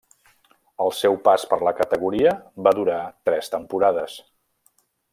El seu pas per la categoria va durar tres temporades.